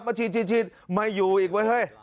มาฉีดย์มาอยู่อีกไว้เฮ้ย